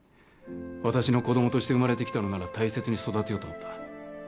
私の子供として生まれてきたのなら大切に育てようと思った。